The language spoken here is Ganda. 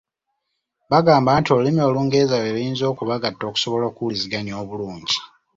Bagamba nti olulimi Olungereza lwe luyinza okubagatta okusobola okuwuliziganya obulungi.